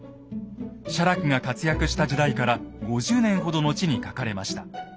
写楽が活躍した時代から５０年ほど後に書かれました。